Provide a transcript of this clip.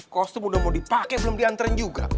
kostum udah mau dipake belum diantarin juga